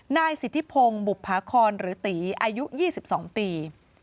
นายสิทธิพงศ์บุภาครหรือตีอายุ๒๒ปี